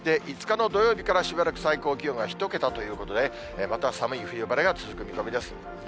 ５日の土曜日からしばらく最高気温が１桁ということで、また寒い冬晴れが続く見込みです。